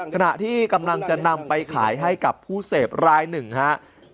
ขณะที่กำลังจะนำไปขายให้กับผู้เสพรายหนึ่งครับ